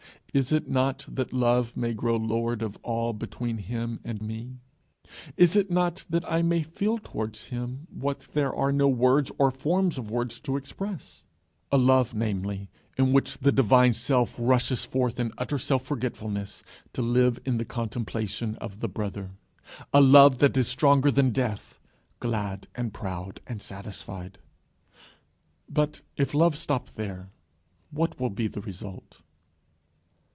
Is it not that Love may grow lord of all between him and me? Is it not that I may feel towards him what there are no words or forms of words to express a love namely, in which the divine self rushes forth in utter self forgetfulness to live in the contemplation of the brother a love that is stronger than death, glad and proud and satisfied? But if love stop there, what will be the result?